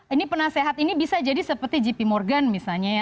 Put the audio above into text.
ini penasehat ini bisa jadi seperti gp morgan misalnya ya